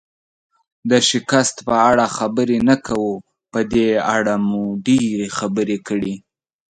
د شکست په اړه خبرې نه کوو، په دې اړه مو ډېرې خبرې کړي.